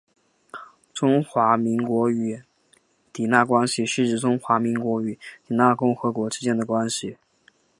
中华民国与迦纳关系是指中华民国与迦纳共和国之间的关系。